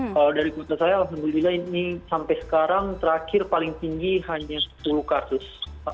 kalau dari kuta saya alhamdulillah ini sampai sekarang terakhir paling tinggi hanya sepuluh kasus